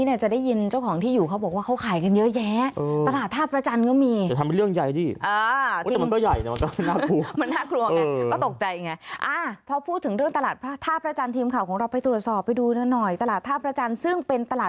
นี่ในเช้าผมเห็นออกข่าวแล้วแหละ